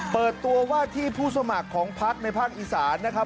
เปิดตัวว่าที่ผู้สมัครของพักในภาคอีสานนะครับ